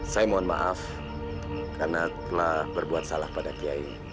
saya mohon maaf karena telah berbuat salah pada kiai